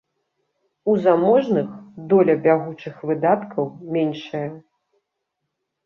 У заможных доля бягучых выдаткаў меншая.